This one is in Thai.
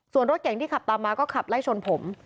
ส่วนรถเก่งที่ขับตามมาก็ขับไล่ชนผม